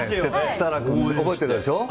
設楽君、覚えてたでしょ。